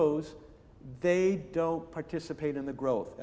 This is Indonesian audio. mereka tidak berpartisipasi dalam perkembangan